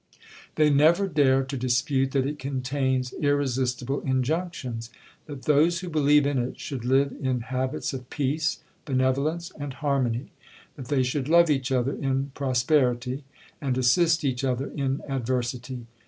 'They never dare to dispute that it contains irresistible injunctions,—that those who believe in it should live in habits of peace, benevolence, and harmony,—that they should love each other in prosperity, and assist each other in adversity.